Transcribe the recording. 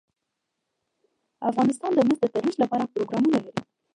افغانستان د مس د ترویج لپاره پروګرامونه لري.